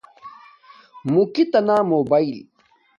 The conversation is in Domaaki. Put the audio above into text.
موکی تہ نا موباݵل